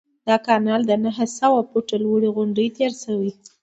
دا کانال د نهه سوه فوټه لوړې غونډۍ تیر شوی.